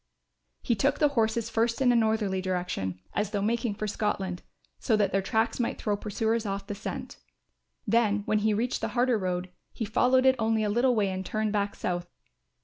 He took the horses first in a northerly direction as though making for Scotland, so that their tracks might throw pursuers off the scent. Then when he reached the harder road, he followed it only a little way and turned back south.